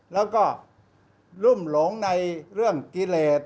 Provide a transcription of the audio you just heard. แล้วก็รุ่มหลงในเรื่องกิเลส